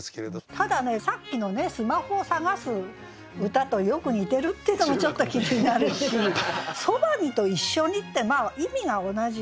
ただねさっきのスマホを探す歌とよく似てるっていうのがちょっと気になるし「傍に」と「一緒に」って意味が同じ。